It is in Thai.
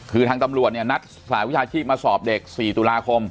คือทางตำรวจเนี่ยนัดสหวิชาชีพมาสอบเด็ก๔ตุลาคม